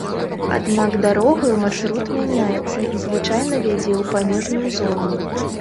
Аднак дарогаю маршрут мяняецца і звычайна вядзе ў памежную зону.